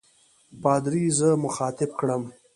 پادري زه مخاطب کړم.